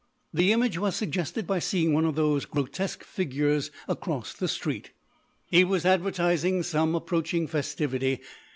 The image was suggested by seeing one of those grotesque figures across the street. He was advertising some approaching festivity.